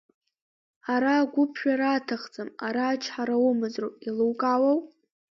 Ара агәыԥжәара аҭахӡам, ара ачҳара умазароуп, еилукаауоу?